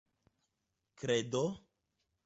kredo